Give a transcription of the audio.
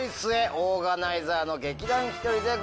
オーガナイザーの劇団ひとりでございます。